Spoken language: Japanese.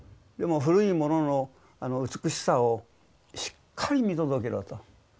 でも古いものの美しさをしっかり見届けろと。